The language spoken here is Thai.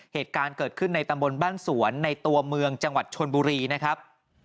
เหตุการณ์เกิดขึ้นในตำบลบ้านสวนในตัวเมืองจังหวัดชนบุรีนะครับ